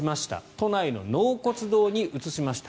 都内の納骨堂に移しました。